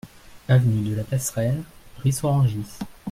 Avenue de la Passerelle, Ris-Orangis